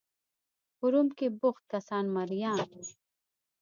په روم کې بوخت کسان مریان وو.